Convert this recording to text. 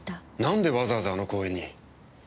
なんでわざわざあの公園に？